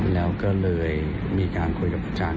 แล้วก็เลยมีการคุยกับอาจารย์